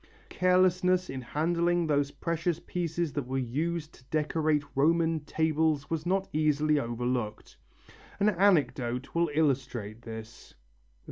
Carelessness in handling these precious pieces that were used to decorate Roman tables was not easily overlooked. An anecdote will illustrate this.